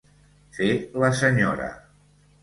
Fer la senyora.